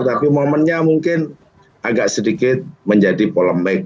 tapi momennya mungkin agak sedikit menjadi polemik